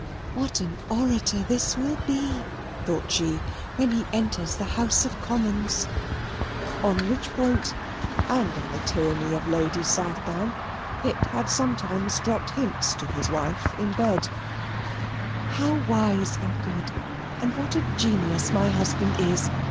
"What an orator this will be," thought she, "when he enters the House of Commons" (on which point, and on the tyranny of Lady Southdown, Pitt had sometimes dropped hints to his wife in bed); "how wise and good, and what a genius my husband is!